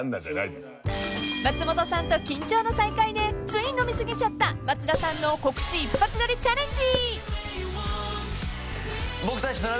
［松本さんと緊張の再会でつい飲み過ぎちゃった松田さんの告知一発撮りチャレンジ］